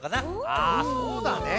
ああそうだね。